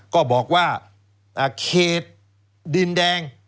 ก็บอกว่าเขตดินแดง